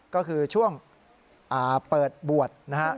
ก็คือช่วงเปิดบวชนะครับ